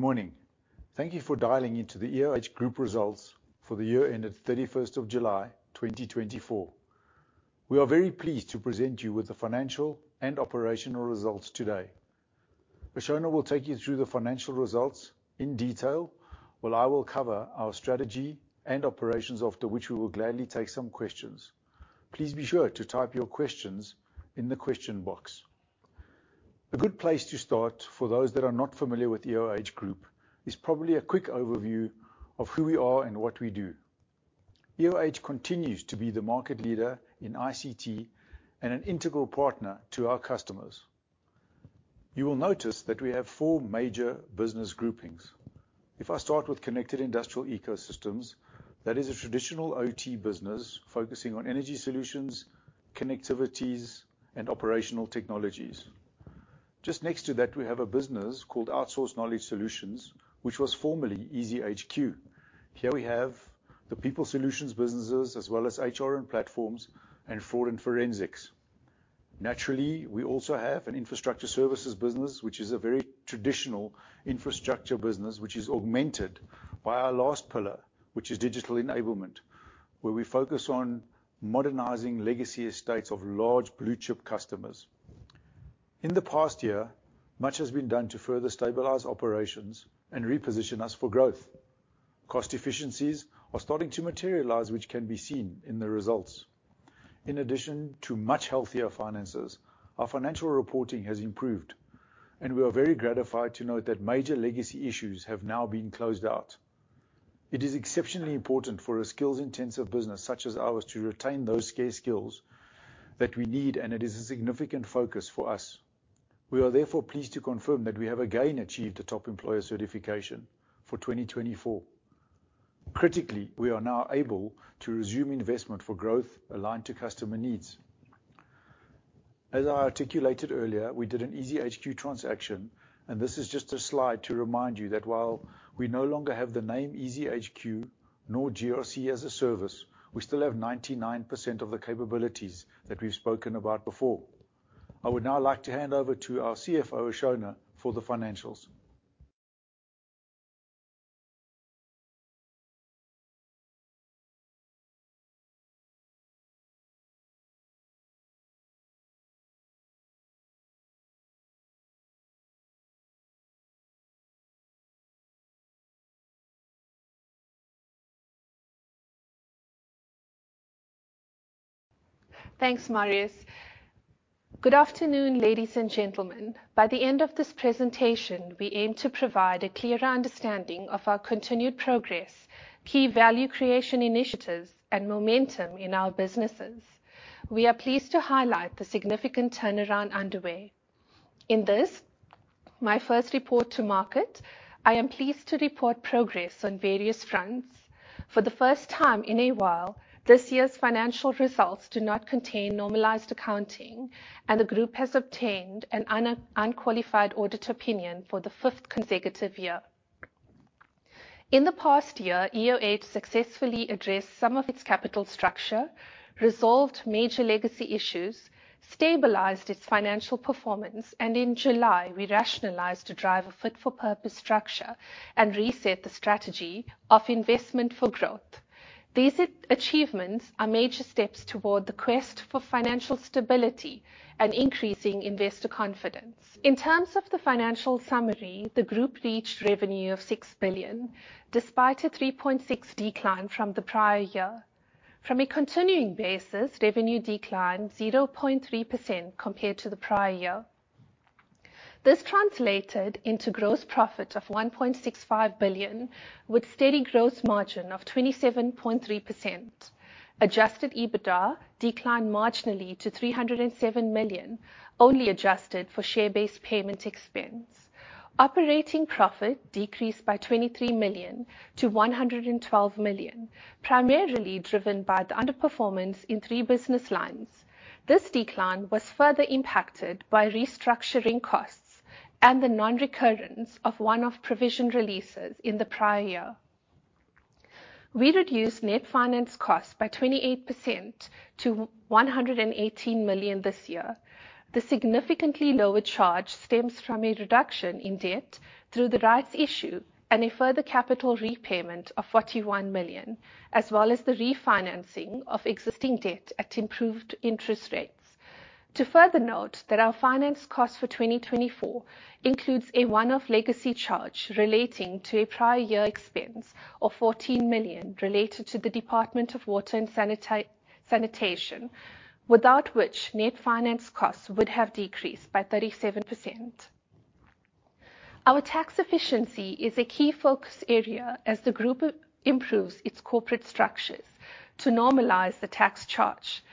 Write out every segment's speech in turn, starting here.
Good morning. Thank you for dialing into the EOH Group Results For the Year Ended 31st of July, 2024. We are very pleased to present you with the financial and operational results today. Ashona will take you through the financial results in detail, while I will cover our strategy and operations, after which we will gladly take some questions. Please be sure to type your questions in the question box. A good place to start for those that are not familiar with EOH Group is probably a quick overview of who we are and what we do. EOH continues to be the market leader in ICT and an integral partner to our customers. You will notice that we have four major business groupings. If I start with Connected Industrial Ecosystems, that is a traditional OT business focusing on energy solutions, connectivities, and operational technologies. Just next to that, we have a business called Outsourced Knowledge Solutions, which was formerly EasyHQ. Here we have the people solutions businesses as well as HR and platforms and fraud and forensics. Naturally, we also have an infrastructure services business, which is a very traditional infrastructure business, which is augmented by our last pillar, which is digital enablement, where we focus on modernizing legacy estates of large blue chip customers. In the past year, much has been done to further stabilize operations and reposition us for growth. Cost efficiencies are starting to materialize, which can be seen in the results. In addition to much healthier finances, our financial reporting has improved, and we are very gratified to note that major legacy issues have now been closed out. It is exceptionally important for a skills-intensive business such as ours to retain those scarce skills that we need, and it is a significant focus for us. We are therefore pleased to confirm that we have again achieved the Top Employer certification for 2024. Critically, we are now able to resume investment for growth aligned to customer needs. As I articulated earlier, we did an EasyHQ transaction, and this is just a slide to remind you that while we no longer have the name EasyHQ nor GRC as a service, we still have 99% of the capabilities that we've spoken about before. I would now like to hand over to our CFO, Ashona, for the financials. Thanks, Marius. Good afternoon, ladies and gentlemen. By the end of this presentation, we aim to provide a clearer understanding of our continued progress, key value creation initiatives and momentum in our businesses. We are pleased to highlight the significant turnaround underway. In this, my first report to market, I am pleased to report progress on various fronts. For the first time in a while, this year's financial results do not contain normalized accounting, and the group has obtained an unqualified audit opinion for the fifth consecutive year. In the past year, EOH successfully addressed some of its capital structure, resolved major legacy issues, stabilized its financial performance, and in July, we rationalized to drive a fit for purpose structure and reset the strategy of investment for growth. These achievements are major steps toward the quest for financial stability and increasing investor confidence. In terms of the financial summary, the group reached revenue of 6 billion, despite a 3.6% decline from the prior year. From a continuing basis, revenue declined 0.3% compared to the prior year. This translated into gross profit of 1.65 billion, with steady gross margin of 27.3%. Adjusted EBITDA declined marginally to 307 million, only adjusted for share-based payment expense. Operating profit decreased by 23 million-112 million, primarily driven by the underperformance in three business lines. This decline was further impacted by restructuring costs and the nonrecurrence of one-off provision releases in the prior year. We reduced net finance costs by 28% to 118 million this year. The significantly lower charge stems from a reduction in debt through the rights issue and a further capital repayment of 41 million, as well as the refinancing of existing debt at improved interest rates. To further note that our finance cost for 2024 includes a one-off legacy charge relating to a prior year expense of 14 million related to the Department of Water and Sanitation, without which net finance costs would have decreased by 37%. Our tax efficiency is a key focus area as the group improves its corporate structures to normalize the tax charge.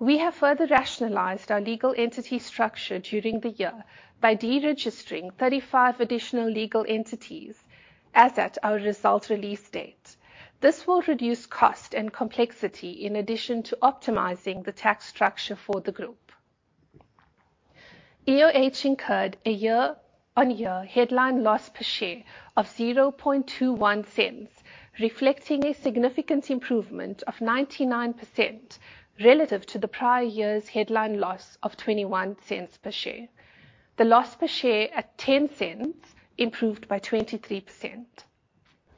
We have further rationalized our legal entity structure during the year by deregistering 35 additional legal entities as at our result release date. This will reduce cost and complexity in addition to optimizing the tax structure for the group. EOH incurred a year-on-year headline loss per share of 0.21, reflecting a significant improvement of 99% relative to the prior year's headline loss of 0.21 per share. The loss per share of 0.10 improved by 23%.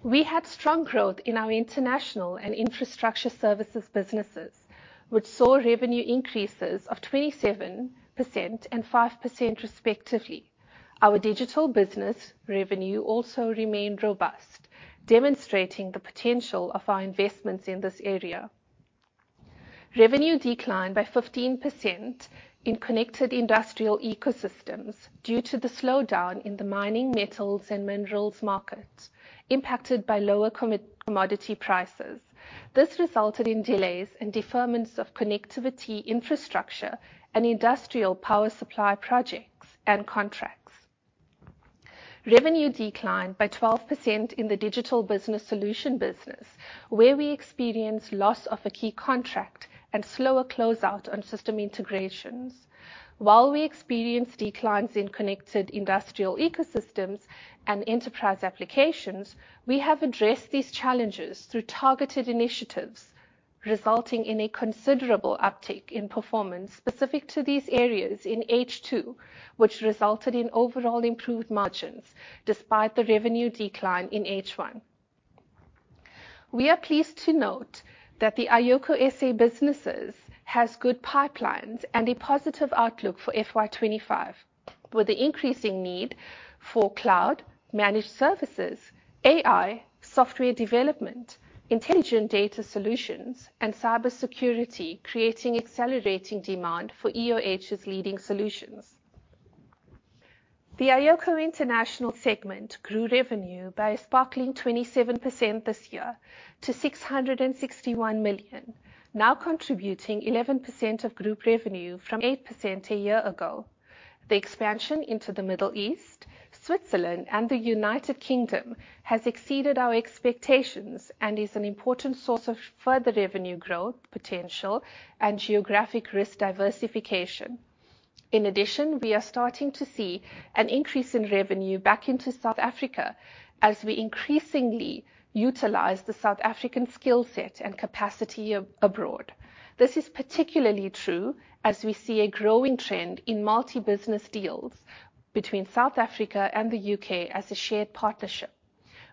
We had strong growth in our international and infrastructure services businesses, which saw revenue increases of 27% and 5% respectively. Our digital business revenue also remained robust, demonstrating the potential of our investments in this area. Revenue declined by 15% in Connected Industrial Ecosystems due to the slowdown in the mining, metals, and minerals markets impacted by lower commodity prices. This resulted in delays and deferments of connectivity infrastructure and industrial power supply projects and contracts. Revenue declined by 12% in the Digital Business Solutions business, where we experienced loss of a key contract and slower closeout on system integrations. While we experienced declines in Connected Industrial Ecosystems and Enterprise Applications, we have addressed these challenges through targeted initiatives, resulting in a considerable uptick in performance specific to these areas in H2, which resulted in overall improved margins despite the revenue decline in H1. We are pleased to note that the iOCO SA businesses has good pipelines and a positive outlook for FY 2025, with the increasing need for cloud, managed services, AI, software development, intelligent data solutions, and cybersecurity creating accelerating demand for EOH's leading solutions. The iOCO International segment grew revenue by a strong 27% this year to 661 million, now contributing 11% of group revenue from 8% a year ago. The expansion into the Middle East, Switzerland, and the United Kingdom has exceeded our expectations and is an important source of further revenue growth potential and geographic risk diversification. In addition, we are starting to see an increase in revenue back into South Africa as we increasingly utilize the South African skill set and capacity abroad. This is particularly true as we see a growing trend in multi-business deals between South Africa and the U.K. as a shared partnership.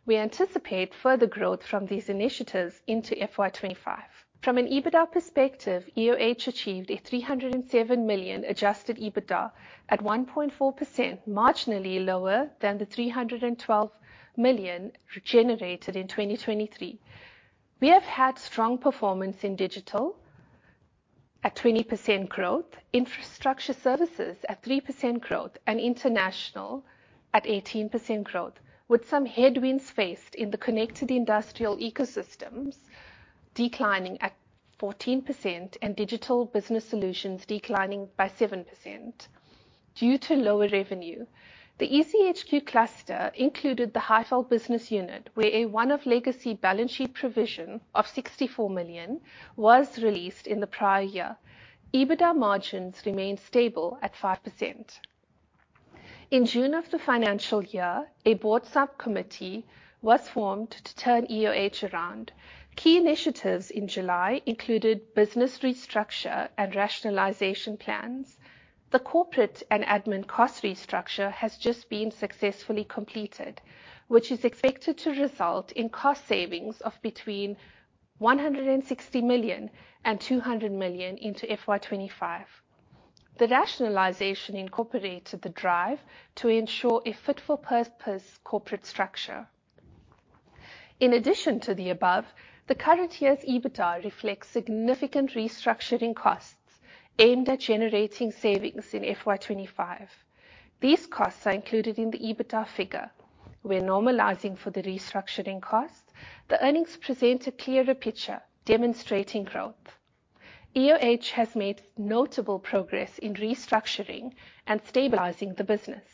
We anticipate further growth from these initiatives into FY 2025. From an EBITDA perspective, EOH achieved 307 million Adjusted EBITDA at 1.4%, marginally lower than the 312 million generated in 2023. We have had strong performance in digital at 20% growth, infrastructure services at 3% growth, and international at 18% growth, with some headwinds faced in the Connected Industrial Ecosystems declining at 14% and Digital Business Solutions declining by 7% due to lower revenue. The EOH HQ cluster included the Highveld business unit, where a one-off legacy balance sheet provision of 64 million was released in the prior year. EBITDA margins remained stable at 5%. In June of the financial year, a board subcommittee was formed to turn EOH around. Key initiatives in July included business restructure and rationalization plans. The corporate and admin cost restructure has just been successfully completed, which is expected to result in cost savings of between 160 million and 200 million into FY 2025. The rationalization incorporated the drive to ensure a fit for purpose corporate structure. In addition to the above, the current year's EBITDA reflects significant restructuring costs aimed at generating savings in FY 2025. These costs are included in the EBITDA figure. We're normalizing for the restructuring cost. The earnings present a clearer picture demonstrating growth. EOH has made notable progress in restructuring and stabilizing the business,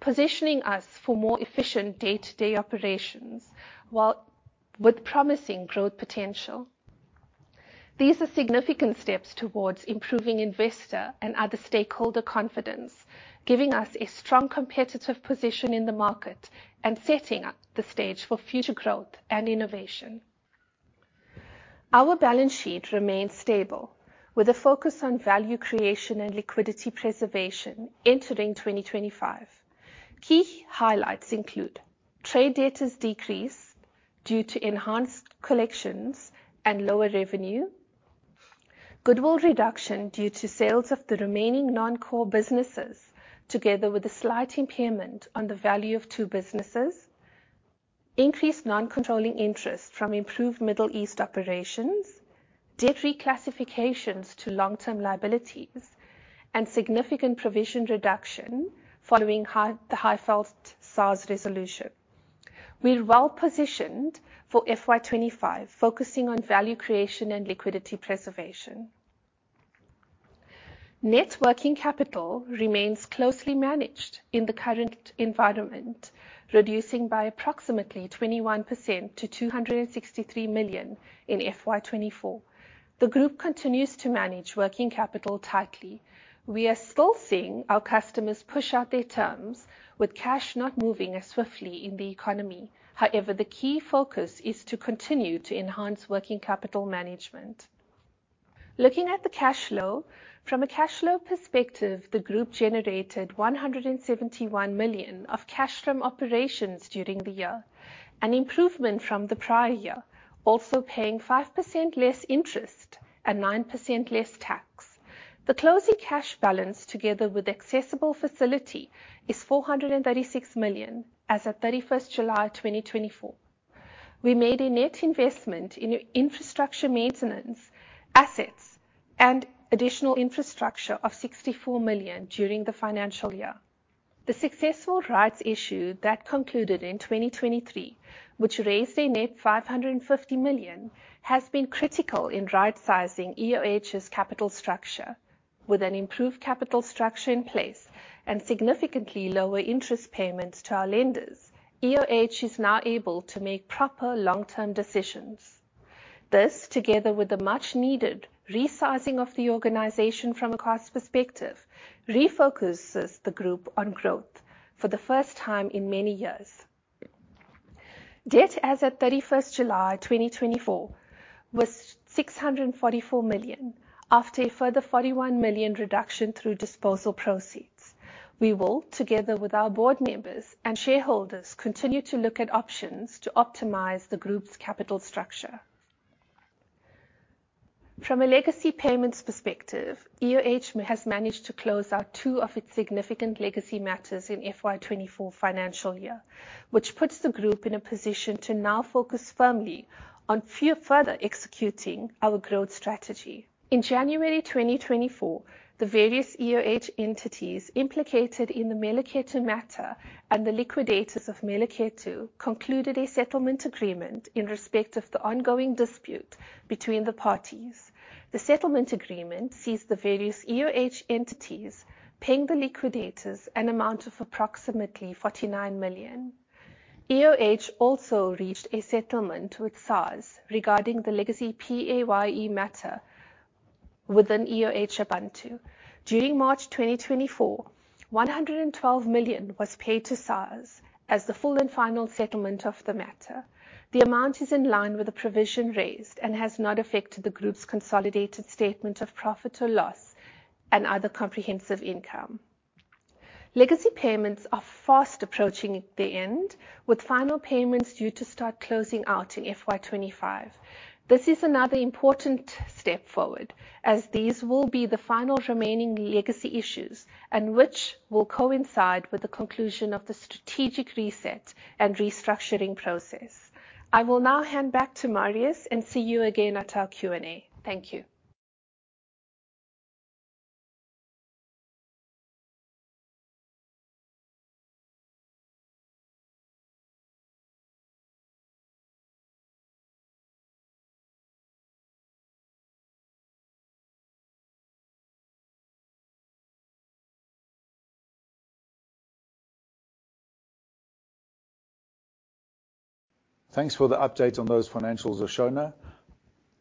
positioning us for more efficient day-to-day operations with promising growth potential. These are significant steps towards improving investor and other stakeholder confidence, giving us a strong competitive position in the market and setting the stage for future growth and innovation. Our balance sheet remains stable with a focus on value creation and liquidity preservation entering 2025. Key highlights include trade debtors decrease due to enhanced collections and lower revenue, goodwill reduction due to sales of the remaining non-core businesses, together with a slight impairment on the value of two businesses, increased non-controlling interest from improved Middle East operations, debt reclassifications to long-term liabilities, and significant provision reduction following the Highveld SARS resolution. We're well positioned for FY 2025, focusing on value creation and liquidity preservation. Net working capital remains closely managed in the current environment, reducing by approximately 21% to 263 million in FY 2024. The group continues to manage working capital tightly. We are still seeing our customers push out their terms with cash not moving as swiftly in the economy. However, the key focus is to continue to enhance working capital management. Looking at the cash flow. From a cash flow perspective, the group generated 171 million of cash from operations during the year, an improvement from the prior year, also paying 5% less interest and 9% less tax. The closing cash balance, together with accessible facility, is 436 million as at 31 July 2024. We made a net investment in infrastructure maintenance, assets and additional infrastructure of 64 million during the financial year. The successful rights issue that concluded in 2023, which raised a net 550 million, has been critical in right sizing EOH's capital structure. With an improved capital structure in place and significantly lower interest payments to our lenders, EOH is now able to make proper long-term decisions. This, together with the much needed resizing of the organization from a cost perspective, refocuses the group on growth for the first time in many years. Debt as at 31st July 2024 was 644 million, after a further 41 million reduction through disposal proceeds. We will, together with our board members and shareholders, continue to look at options to optimize the group's capital structure. From a legacy payments perspective, EOH has managed to close out two of its significant legacy matters in FY 2024 financial year, which puts the group in a position to now focus firmly on further executing our growth strategy. In January 2024, the various EOH entities implicated in the Mehleketo matter and the liquidators of Mehleketo concluded a settlement agreement in respect of the ongoing dispute between the parties. The settlement agreement sees the various EOH entities paying the liquidators an amount of approximately 49 million. EOH also reached a settlement with SARS regarding the legacy PAYE matter within EOH Abantu. During March 2024, 112 million was paid to SARS as the full and final settlement of the matter. The amount is in line with the provision raised and has not affected the group's consolidated statement of profit or loss and other comprehensive income. Legacy payments are fast approaching the end, with final payments due to start closing out in FY 2025. This is another important step forward as these will be the final remaining legacy issues, and which will coincide with the conclusion of the strategic reset and restructuring process. I will now hand back to Marius and see you again at our Q&A. Thank you. Thanks for the update on those financials, Ashona.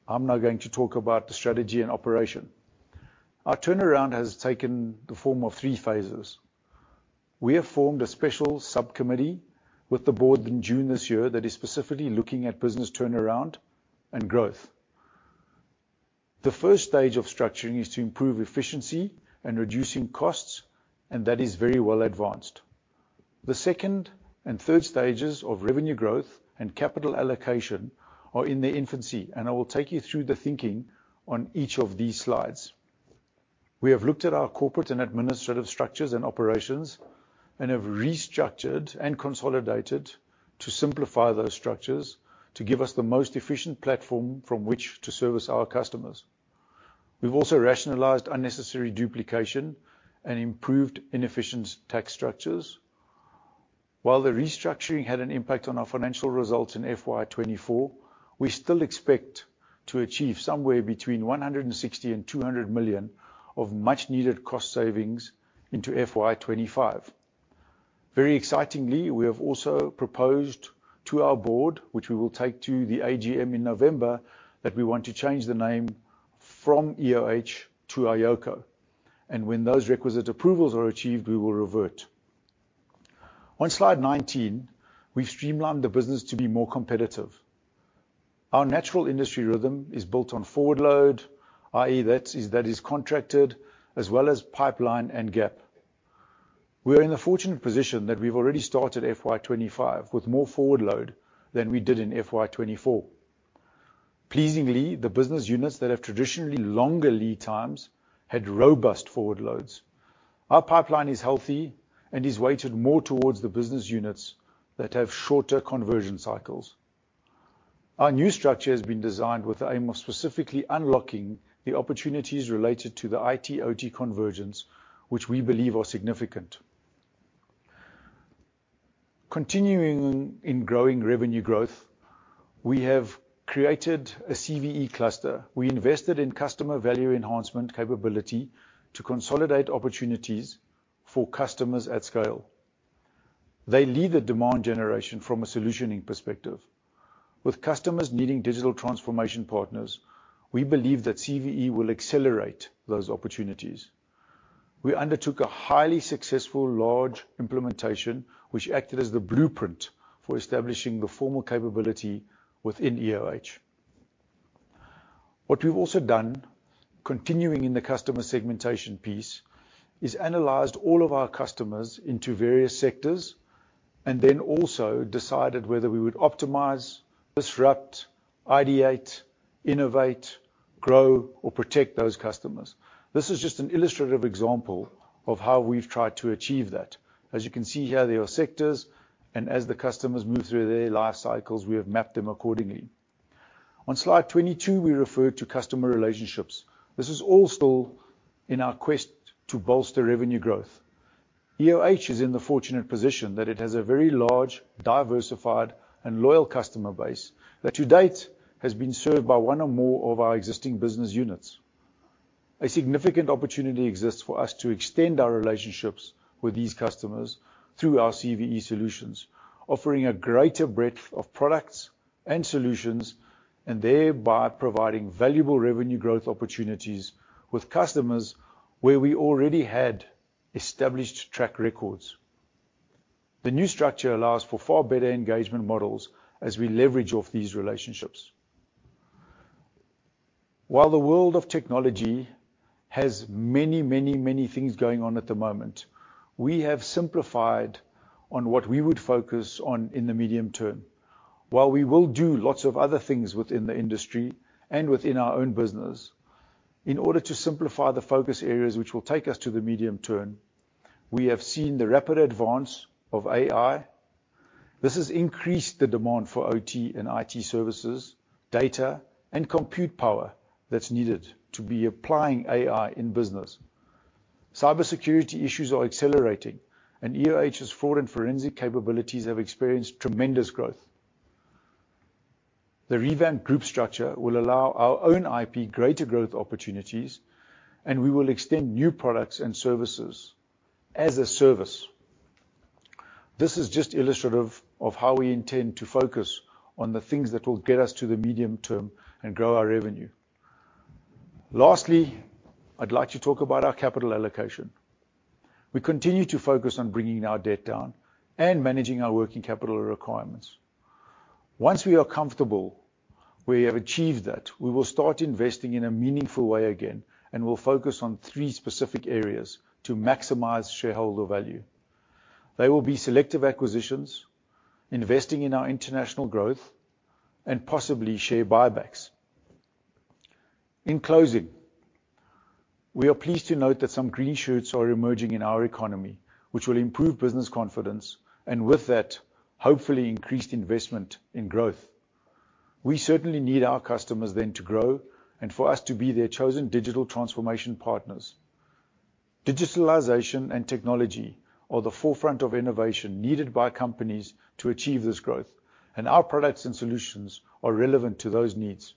I'm now going to talk about the strategy and operation. Our turnaround has taken the form of three phases. We have formed a special sub-committee with the Board in June this year that is specifically looking at business turnaround and growth. The first stage of structuring is to improve efficiency and reducing costs, and that is very well advanced. The second and third stages of revenue growth and capital allocation are in their infancy, and I will take you through the thinking on each of these slides. We have looked at our corporate and administrative structures and operations and have restructured and consolidated to simplify those structures to give us the most efficient platform from which to service our customers. We've also rationalized unnecessary duplication and improved inefficient tax structures. While the restructuring had an impact on our financial results in FY 2024, we still expect to achieve somewhere between 160 million and 200 million of much-needed cost savings into FY 2025. Very excitingly, we have also proposed to our board, which we will take to the AGM in November, that we want to change the name from EOH to iOCO, and when those requisite approvals are achieved, we will revert. On slide 19, we've streamlined the business to be more competitive. Our natural industry rhythm is built on forward load, i.e., that is contracted as well as pipeline and gap. We are in the fortunate position that we've already started FY 2025 with more forward load than we did in FY 2024. Pleasingly, the business units that have traditionally longer lead times had robust forward loads. Our pipeline is healthy and is weighted more towards the business units that have shorter conversion cycles. Our new structure has been designed with the aim of specifically unlocking the opportunities related to the IT/OT convergence, which we believe are significant. Continuing in growing revenue growth, we have created a CVE cluster. We invested in customer value enhancement capability to consolidate opportunities for customers at scale. They lead the demand generation from a solutioning perspective. With customers needing digital transformation partners, we believe that CVE will accelerate those opportunities. We undertook a highly successful large implementation, which acted as the blueprint for establishing the formal capability within EOH. What we've also done, continuing in the customer segmentation piece, is analyzed all of our customers into various sectors and then also decided whether we would optimize, disrupt, ideate, innovate, grow, or protect those customers. This is just an illustrative example of how we've tried to achieve that. As you can see here, there are sectors, and as the customers move through their life cycles, we have mapped them accordingly. On slide 22, we refer to customer relationships. This is all still in our quest to bolster revenue growth. EOH is in the fortunate position that it has a very large, diversified, and loyal customer base that to date has been served by one or more of our existing business units. A significant opportunity exists for us to extend our relationships with these customers through our CVE solutions, offering a greater breadth of products and solutions, and thereby providing valuable revenue growth opportunities with customers where we already had established track records. The new structure allows for far better engagement models as we leverage off these relationships. While the world of technology has many things going on at the moment, we have simplified on what we would focus on in the medium term. While we will do lots of other things within the industry and within our own business, in order to simplify the focus areas which will take us to the medium term, we have seen the rapid advance of AI. This has increased the demand for OT and IT services, data, and compute power that's needed to be applying AI in business. Cybersecurity issues are accelerating, and EOH's fraud and forensic capabilities have experienced tremendous growth. The revamped group structure will allow our own IP greater growth opportunities, and we will extend new products and services as a service. This is just illustrative of how we intend to focus on the things that will get us to the medium term and grow our revenue. Lastly, I'd like to talk about our capital allocation. We continue to focus on bringing our debt down and managing our working capital requirements. Once we are comfortable we have achieved that, we will start investing in a meaningful way again and will focus on three specific areas to maximize shareholder value. They will be selective acquisitions, investing in our international growth, and possibly share buybacks. In closing, we are pleased to note that some green shoots are emerging in our economy, which will improve business confidence and, with that, hopefully increased investment in growth. We certainly need our customers then to grow and for us to be their chosen digital transformation partners. Digitalization and technology are the forefront of innovation needed by companies to achieve this growth, and our products and solutions are relevant to those needs.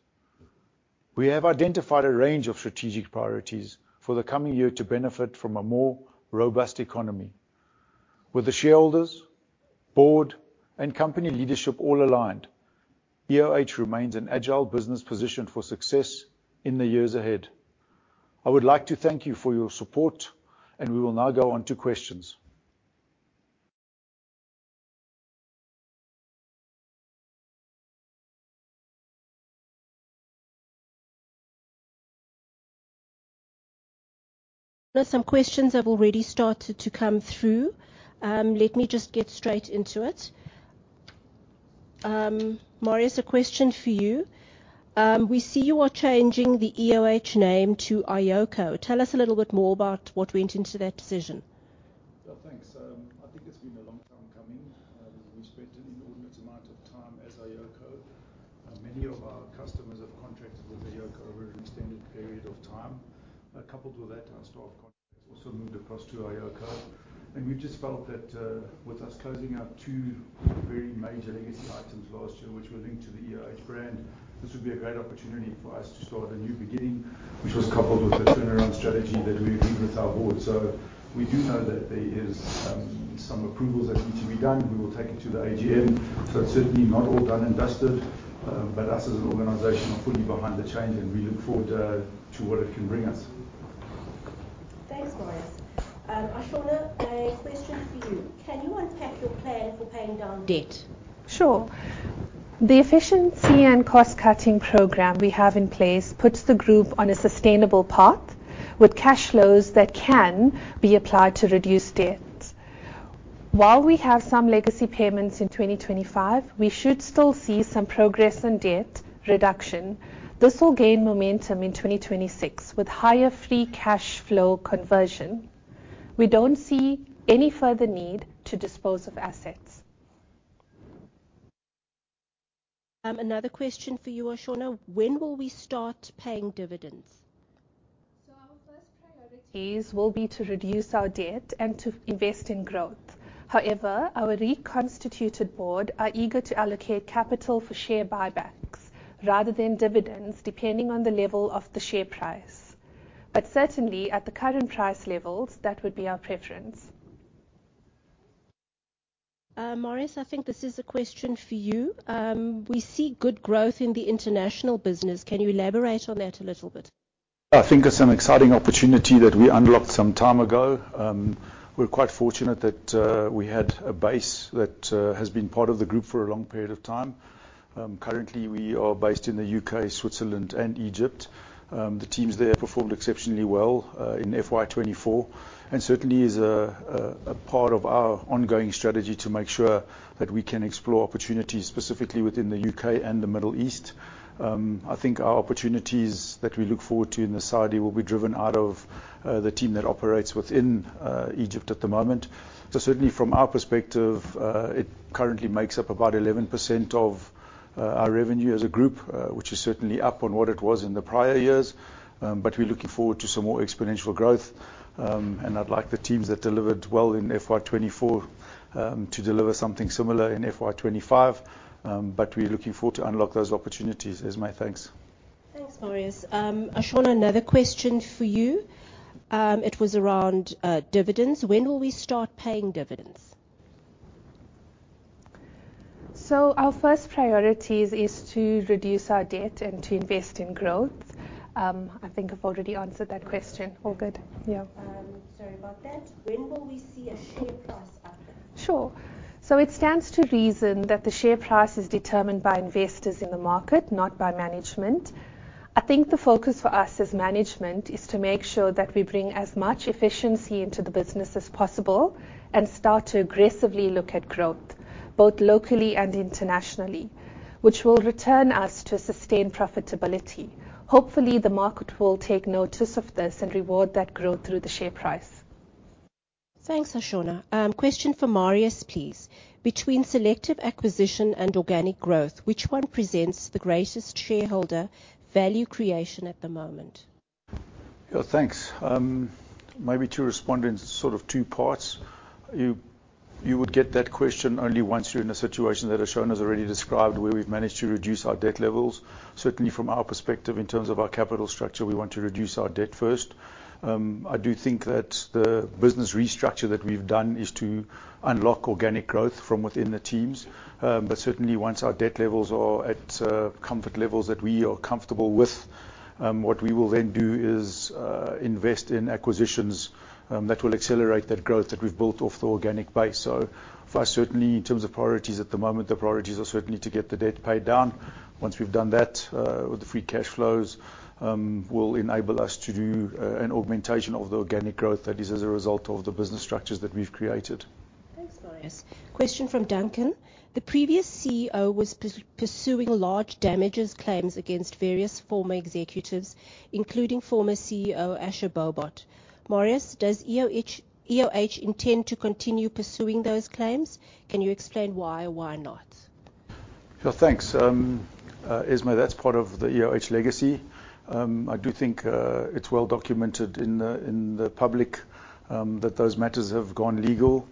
We have identified a range of strategic priorities for the coming year to benefit from a more robust economy. With the shareholders, board, and company leadership all aligned, EOH remains an agile business positioned for success in the years ahead. I would like to thank you for your support, and we will now go on to questions. Now some questions have already started to come through. Let me just get straight into it. Marius, a question for you. We see you are changing the EOH name to iOCO. Tell us a little bit more about what went into that decision. Yeah, thanks. I think it's been a long time coming. We spent an inordinate amount of time as iOCO. Many of our customers have contracted with iOCO over an extended period of time. Coupled with that, our staff contracts also moved across to iOCO. We just felt that, with us closing out two very major legacy items last year, which were linked to the EOH brand, this would be a great opportunity for us to start a new beginning, which was coupled with the turnaround strategy that we agreed with our board. We do know that there is some approvals that need to be done. We will take it to the AGM, so it's certainly not all done and dusted. Us as an organization are fully behind the change, and we look forward to what it can bring us. Thanks, Marius. Ashona, a question for you. Can you unpack your plan for paying down debt? Sure. The efficiency and cost-cutting program we have in place puts the group on a sustainable path with cash flows that can be applied to reduce debt. While we have some legacy payments in 2025, we should still see some progress in debt reduction. This will gain momentum in 2026 with higher free cash flow conversion. We don't see any further need to dispose of assets. Another question for you, Ashona: When will we start paying dividends? Our first priorities will be to reduce our debt and to invest in growth. However, our reconstituted board are eager to allocate capital for share buybacks rather than dividends, depending on the level of the share price. Certainly, at the current price levels, that would be our preference. Marius, I think this is a question for you. We see good growth in the international business. Can you elaborate on that a little bit? I think it's an exciting opportunity that we unlocked some time ago. We're quite fortunate that we had a base that has been part of the group for a long period of time. Currently, we are based in the U.K., Switzerland, and Egypt. The teams there performed exceptionally well in FY 2024, and certainly is a part of our ongoing strategy to make sure that we can explore opportunities specifically within the U.K. and the Middle East. I think our opportunities that we look forward to in the Saudi will be driven out of the team that operates within Egypt at the moment. Certainly from our perspective, it currently makes up about 11% of our revenue as a group, which is certainly up on what it was in the prior years. We're looking forward to some more exponential growth, and I'd like the teams that delivered well in FY 2024 to deliver something similar in FY 2025. We're looking forward to unlock those opportunities, Esma. Thanks. Thanks, Marius. Ashona, another question for you. It was around dividends. When will we start paying dividends? Our first priorities is to reduce our debt and to invest in growth. I think I've already answered that question. All good. Yeah. Sorry about that. When will we see a share price up then? Sure. It stands to reason that the share price is determined by investors in the market, not by management. I think the focus for us as management is to make sure that we bring as much efficiency into the business as possible and start to aggressively look at growth, both locally and internationally, which will return us to a sustained profitability. Hopefully, the market will take notice of this and reward that growth through the share price. Thanks, Ashona. Question for Marius, please. Between selective acquisition and organic growth, which one presents the greatest shareholder value creation at the moment? Yeah. Thanks. Maybe to respond in sort of two parts. You would get that question only once you're in a situation that Ashona's already described, where we've managed to reduce our debt levels. Certainly, from our perspective, in terms of our capital structure, we want to reduce our debt first. I do think that the business restructure that we've done is to unlock organic growth from within the teams, but certainly once our debt levels are at comfort levels that we are comfortable with, what we will then do is invest in acquisitions that will accelerate that growth that we've built off the organic base. For us, certainly in terms of priorities at the moment, the priorities are certainly to get the debt paid down. Once we've done that, the free cash flows will enable us to do an augmentation of the organic growth that is as a result of the business structures that we've created. Thanks, Marius. Question from Duncan: The previous CEO was pursuing large damages claims against various former executives, including former CEO Asher Bohbot. Marius, does EOH intend to continue pursuing those claims? Can you explain why or why not? Sure. Thanks. Esmaé that's part of the EOH legacy. I do think it's well documented in the public that those matters have gone legal.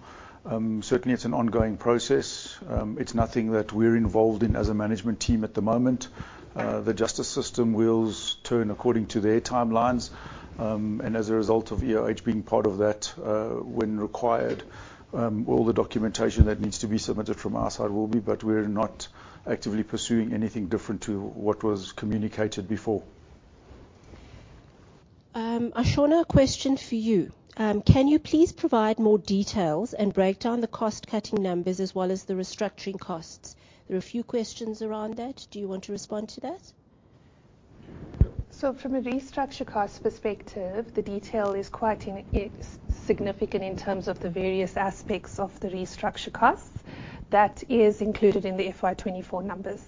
Certainly it's an ongoing process. It's nothing that we're involved in as a management team at the moment. The justice system wheels turn according to their timelines. As a result of EOH being part of that, when required, all the documentation that needs to be submitted from our side will be, but we're not actively pursuing anything different to what was communicated before. Ashona, a question for you. Can you please provide more details and break down the cost-cutting numbers as well as the restructuring costs? There are a few questions around that. Do you want to respond to that? From a restructure cost perspective, the detail is quite insignificant in terms of the various aspects of the restructure costs. That is included in the FY 2024 numbers.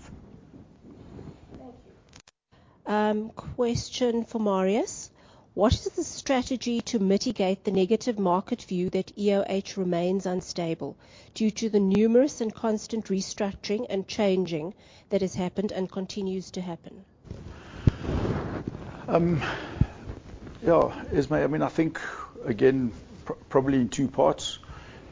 Thank you. Question for Marius: What is the strategy to mitigate the negative market view that EOH remains unstable due to the numerous and constant restructuring and changing that has happened and continues to happen? Yeah. Esmaé I mean, I think again, probably in two parts.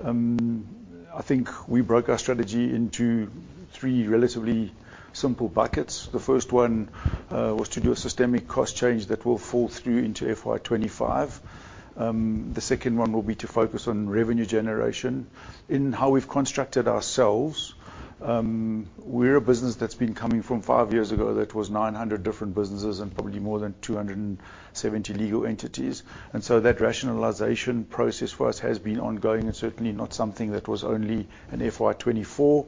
I think we broke our strategy into three relatively simple buckets. The first one was to do a systemic cost change that will fall through into FY 2025. The second one will be to focus on revenue generation. In how we've constructed ourselves, we're a business that's been coming from five years ago that was 900 different businesses and probably more than 270 legal entities. That rationalization process for us has been ongoing and certainly not something that was only an FY 2024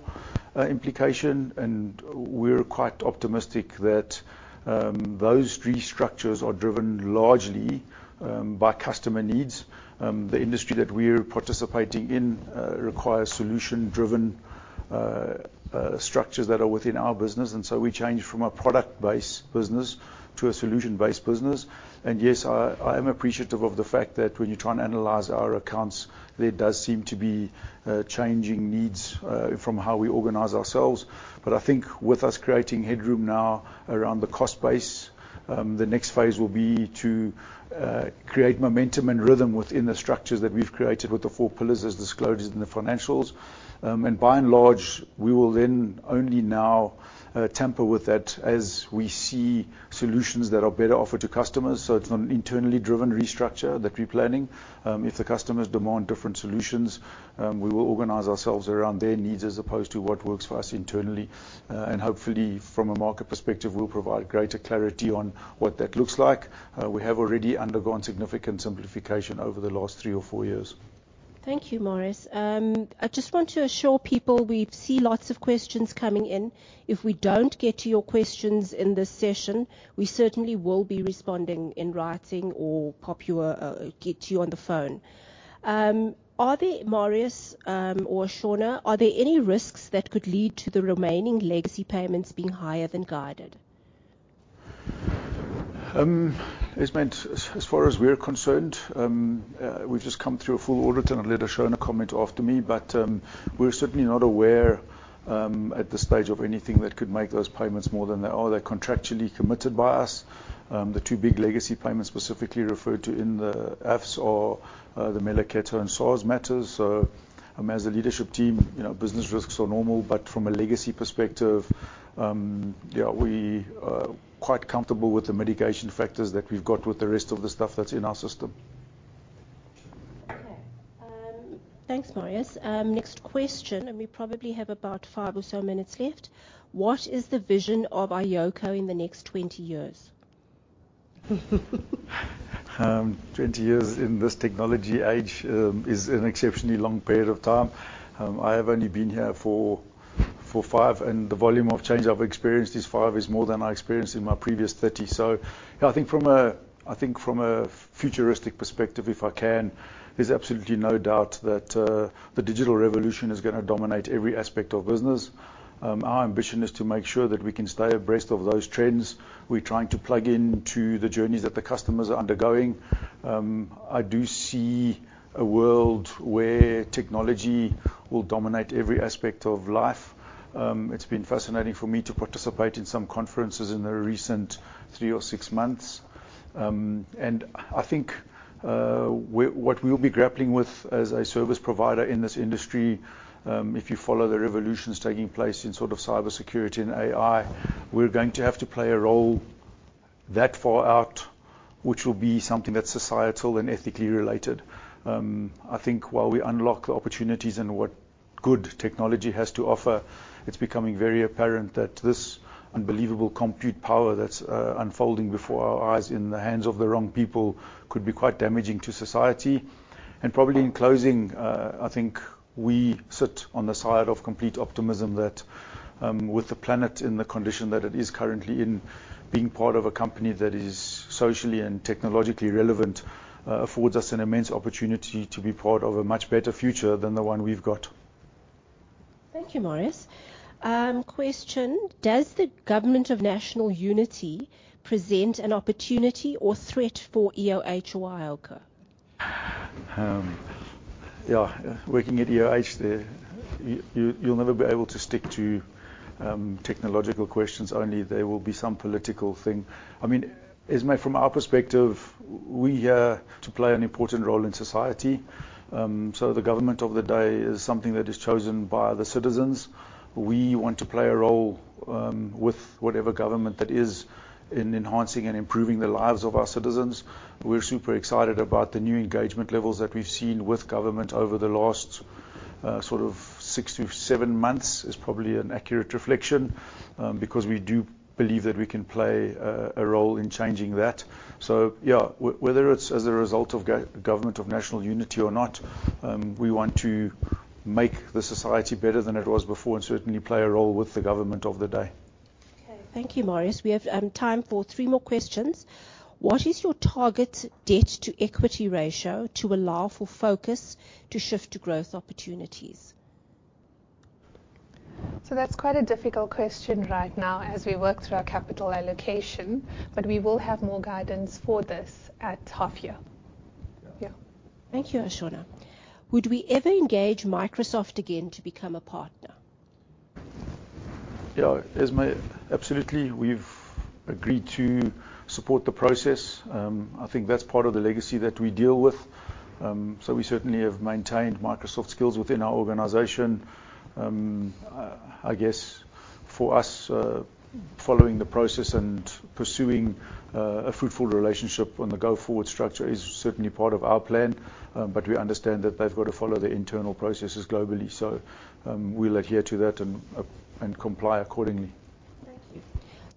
implication. We're quite optimistic that those three structures are driven largely by customer needs. The industry that we're participating in requires solution-driven structures that are within our business, and so we changed from a product-based business to a solution-based business. Yes, I am appreciative of the fact that when you try and analyze our accounts, there does seem to be changing needs from how we organize ourselves. I think with us creating headroom now around the cost base, the next phase will be to create momentum and rhythm within the structures that we've created with the four pillars as disclosed in the financials. By and large, we will then only now tamper with that as we see solutions that are better offered to customers. It's an internally driven restructure that we're planning. If the customers demand different solutions, we will organize ourselves around their needs as opposed to what works for us internally. Hopefully from a market perspective, we'll provide greater clarity on what that looks like. We have already undergone significant simplification over the last three or four years. Thank you, Marius. I just want to assure people we see lots of questions coming in. If we don't get to your questions in this session, we certainly will be responding in writing or get to you on the phone. Are there, Marius or Ashona, any risks that could lead to the remaining legacy payments being higher than guided? Esmaé, as far as we're concerned, we've just come through a full audit, and I'll let Ashona comment after me, but we're certainly not aware at this stage of anything that could make those payments more than they are. They're contractually committed by us, the two big legacy payments specifically referred to in the Fs or the Mehleketo and SARS matters. I mean, as a leadership team, you know, business risks are normal, but from a legacy perspective, yeah, we are quite comfortable with the mitigation factors that we've got with the rest of the stuff that's in our system. Okay. Thanks, Marius. Next question, and we probably have about five or seven minutes left. What is the vision of iOCO in the next 20 years? 20 years in this technology age is an exceptionally long period of time. I have only been here for five years, and the volume of change I've experienced this five years is more than I experienced in my previous 30 years. You know, I think from a futuristic perspective, if I can, there's absolutely no doubt that the digital revolution is gonna dominate every aspect of business. Our ambition is to make sure that we can stay abreast of those trends. We're trying to plug into the journeys that the customers are undergoing. I do see a world where technology will dominate every aspect of life. It's been fascinating for me to participate in some conferences in the recent three or six months. I think what we'll be grappling with as a service provider in this industry, if you follow the revolutions taking place in sort of cybersecurity and AI, we're going to have to play a role that far out, which will be something that's societal and ethically related. I think while we unlock the opportunities and what good technology has to offer, it's becoming very apparent that this unbelievable compute power that's unfolding before our eyes in the hands of the wrong people could be quite damaging to society. Probably in closing, I think we sit on the side of complete optimism that, with the planet in the condition that it is currently in, being part of a company that is socially and technologically relevant, affords us an immense opportunity to be part of a much better future than the one we've got. Thank you, Marius. Question: Does the Government of National Unity present an opportunity or threat for EOH iOCO? Yeah. Working at EOH, you'll never be able to stick to technological questions only. There will be some political thing. I mean, Esmaé, from our perspective, we're here to play an important role in society. The government of the day is something that is chosen by the citizens. We want to play a role with whatever government that is in enhancing and improving the lives of our citizens. We're super excited about the new engagement levels that we've seen with government over the last sort of 6-7 months, is probably an accurate reflection. Because we do believe that we can play a role in changing that. Yeah, whether it's as a result of Government of National Unity or not, we want to make the society better than it was before and certainly play a role with the government of the day. Okay. Thank you, Marius. We have time for three more questions. What is your target debt to equity ratio to allow for focus to shift to growth opportunities? That's quite a difficult question right now as we work through our capital allocation, but we will have more guidance for this at half year. Yeah. Thank you, Ashona. Would we ever engage Microsoft again to become a partner? Yeah. Esmaé, absolutely. We've agreed to support the process. I think that's part of the legacy that we deal with. We certainly have maintained Microsoft skills within our organization. I guess for us, following the process and pursuing a fruitful relationship on the go-forward structure is certainly part of our plan. We understand that they've got to follow their internal processes globally. We'll adhere to that and comply accordingly. Thank you.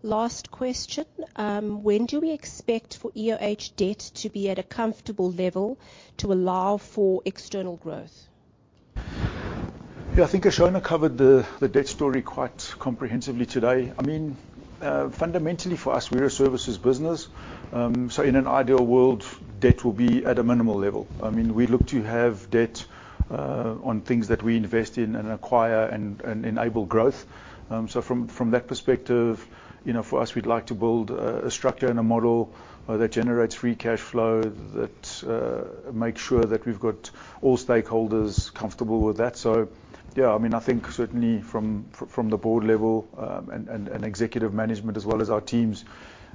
Last question. When do we expect for EOH debt to be at a comfortable level to allow for external growth? Yeah. I think Ashona covered the debt story quite comprehensively today. I mean, fundamentally for us, we're a services business. In an ideal world, debt will be at a minimal level. I mean, we look to have debt on things that we invest in and acquire and enable growth. From that perspective, you know, for us, we'd like to build a structure and a model that generates free cash flow, that makes sure that we've got all stakeholders comfortable with that. Yeah, I mean, I think certainly from the board level and executive management as well as our teams,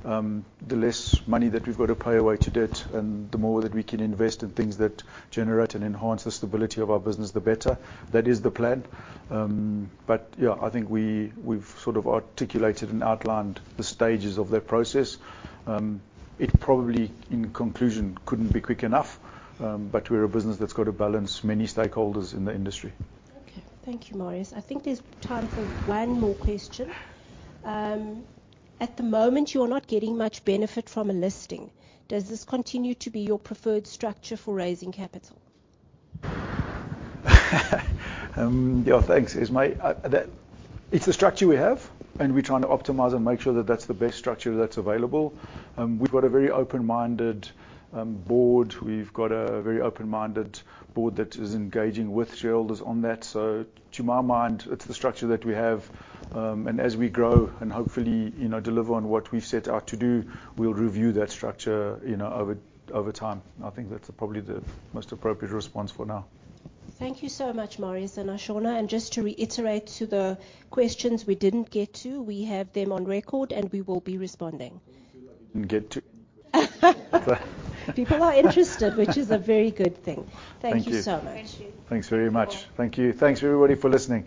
the less money that we've got to pay away to debt and the more that we can invest in things that generate and enhance the stability of our business, the better. That is the plan. Yeah, I think we've sort of articulated and outlined the stages of that process. It probably in conclusion couldn't be quick enough. We're a business that's got to balance many stakeholders in the industry. Okay. Thank you, Marius. I think there's time for one more question. At the moment, you are not getting much benefit from a listing. Does this continue to be your preferred structure for raising capital? Yeah. Thanks, Esmaé. It's the structure we have, and we're trying to optimize and make sure that that's the best structure that's available. We've got a very open-minded board. We've got a very open-minded board that is engaging with shareholders on that. To my mind, it's the structure that we have, and as we grow and hopefully, you know, deliver on what we've set out to do, we'll review that structure, you know, over time. I think that's probably the most appropriate response for now. Thank you so much, Marius and Ashona. Just to reiterate to the questions we didn't get to, we have them on record, and we will be responding. Didn't get to. People are interested, which is a very good thing. Thank you. Thank you so much. Thank you. Thanks very much. Thank you. Thanks everybody for listening.